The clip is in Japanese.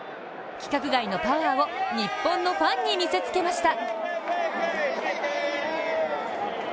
規格外のパワーを日本のファンに見せつけました。